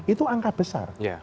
itu angka besar